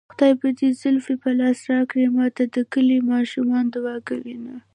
خدای به دې زلفې په لاس راکړي ماته د کلي ماشومان دوعا کوينه